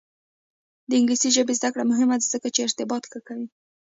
د انګلیسي ژبې زده کړه مهمه ده ځکه چې ارتباط ښه کوي.